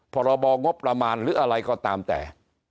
พรบงบประมาณหรืออะไรก็ตามแต่